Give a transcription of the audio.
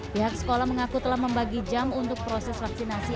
pihak sekolah mengaku telah membagi jam untuk proses vaksinasi